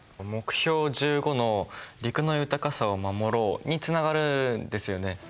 目標１５の「陸の豊かさも守ろう」につながるんですよね。